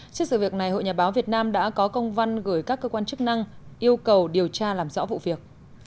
trước sự việc này hội nhà báo việt nam đã có công văn gửi các cơ quan chức năng yêu cầu điều tra làm rõ vụ việc